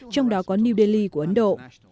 trong đó có new delhi của ấn độ